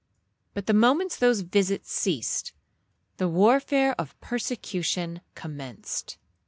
But the moment those visits ceased, the warfare of persecution commenced.